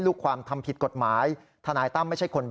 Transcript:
เพราะว่ามีทีมนี้ก็ตีความกันไปเยอะเลยนะครับ